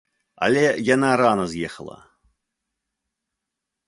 Але яна рана з'ехала.